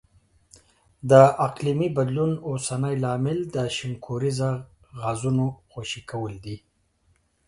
د اقلیمي بدلون اوسنی لامل د شینکوریزو غازونو خوشې کول دي.